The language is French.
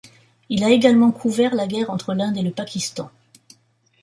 Il a également couvert la guerre entre l'Inde et le Pakistan.